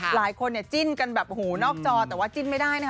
หลายคนเนี่ยจิ้นกันแบบหูนอกจอแต่ว่าจิ้นไม่ได้นะคะ